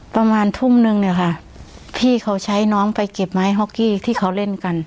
ประมาณทุ่มนึงเนี่ยค่ะพี่เขาใช้น้องไปเก็บไม้ฮอกกี้ที่เขาเล่นกัน